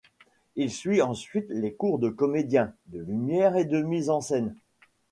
Il suit ensuite des cours de comédien, de lumière et de mise en scène.